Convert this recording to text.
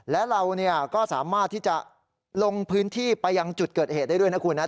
และเราก็สามารถที่จะลงพื้นที่ไปยังจุดเกิดเหตุได้ด้วยนะคุณนะ